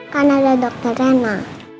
karena ada dokter reina